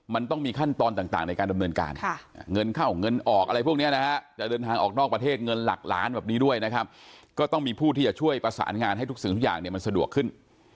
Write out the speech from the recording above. มันต้องมีขั้นตอนต่างในการดำเนินการก็ต้องมีผู้ที่จะช่วยประสานงานให้ทุกสิ่งทุกอย่างเนี่ยมันสะดวกขึ้น